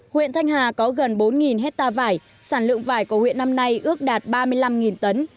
huyện thanh hà có gần bốn hectare vải sản lượng vải của huyện năm nay ước đạt ba mươi năm tấn